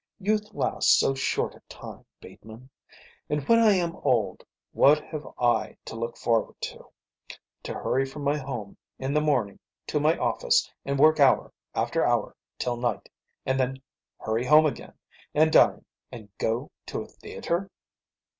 Youth lasts so short a time, Bateman. And when I am old, what have I to look forward to? To hurry from my home in the morning to my office and work hour after hour till night, and then hurry home again, and dine and go to a theatre?